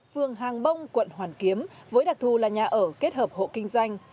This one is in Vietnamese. phường hàng bông quận hoàn kiếm với đặc thù là nhà ở kết hợp hộ kinh doanh